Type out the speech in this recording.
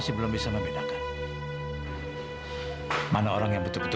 walaupun orang itu orang yang terdekat